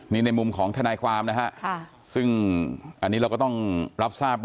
นี่ในมุมของทนายความนะฮะซึ่งอันนี้เราก็ต้องรับทราบ